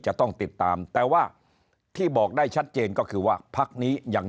จะต้องติดตามแต่ว่าที่บอกได้ชัดเจนก็คือว่าพักนี้ยัง